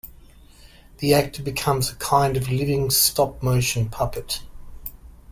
The actor becomes a kind of living stop motion puppet.